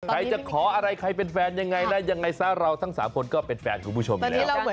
ใครจะขออะไรใครเป็นแฟนยังไงเราทั้ง๓คนก็เป็นแฟนคุณผู้ชมแล้ว